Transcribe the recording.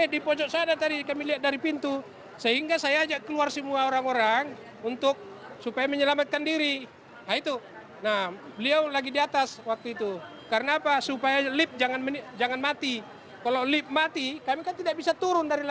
dpr ri mencari penyelamatkan diri